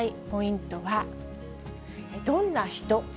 ポイントは、どんな人？